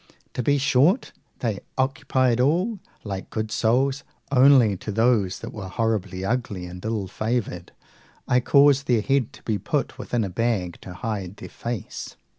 To be short, they occupied all, like good souls; only, to those that were horribly ugly and ill favoured, I caused their head to be put within a bag, to hide their face.